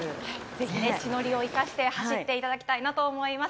ぜひ地の利を生かして、走っていただきたいなと思います。